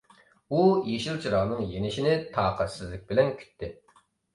ئۇ يېشىل چىراغنىڭ يېنىشىنى تاقەتسىزلىك بىلەن كۈتتى.